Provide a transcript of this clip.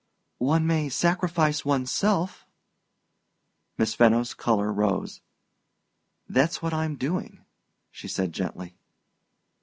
"One may sacrifice one's self." Miss Fenno's color rose. "That's what I'm doing," she said gently.